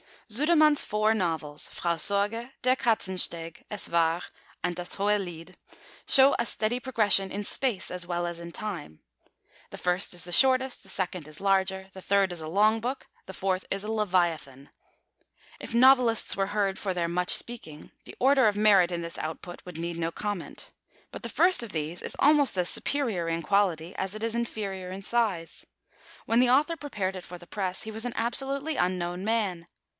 Sudermann's four novels, Frau Sorge, Der Katzensteg, Es War, and Das hohe Lied, show a steady progression in Space as well as in Time. The first is the shortest; the second is larger; the third is a long book; the fourth is a leviathan. If novelists were heard for their much speaking, the order of merit in this output would need no comment. But the first of these is almost as superior in quality as it is inferior in size. When the author prepared it for the press, he was an absolutely unknown man.